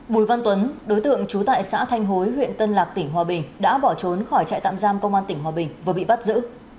bùi văn tuấn đối tượng trú tại xã thanh hối huyện tân lạc tỉnh hòa bình đã bỏ trốn khỏi trại tạm giam công an tỉnh hòa bình vừa bị bắt giữ